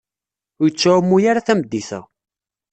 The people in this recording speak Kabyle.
Ur yettɛumu ara tameddit-a.